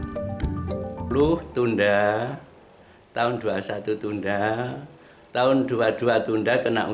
gimana pak menanggapinya